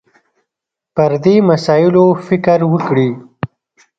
پر دې مسایلو فکر وکړي